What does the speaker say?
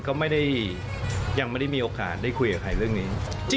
ก็ไม่ได้ยังไม่ได้มีโอกาสได้คุยกับใครเรื่องนี้